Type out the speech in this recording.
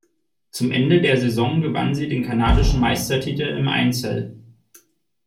Zum Ende der Saison gewann sie den kanadischen Meistertitel im Einzel.